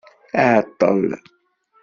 Iɛeṭṭel.